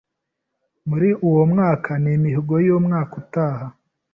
muri uwo mwaka n’imihigo y’umwaka utaha.